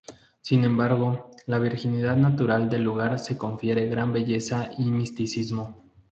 Sin embargo, la virginidad natural del lugar le confiere gran belleza y misticismo.